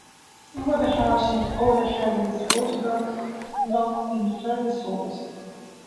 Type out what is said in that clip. Webber house and Ole Hagen's Autograph Block in Fergus Falls.